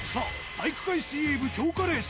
体育会水泳部強化レース